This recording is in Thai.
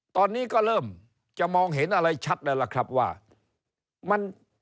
ตอนนี้ก็เริ่มจะมองเห็นอะไรชัดแล้วล่ะครับว่ามัน